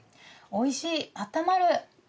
おいしいあったまる！